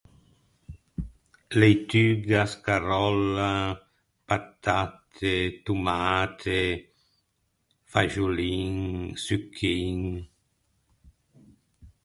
Leituga, scaròlla, patatte, tomate, faxolin, succhin.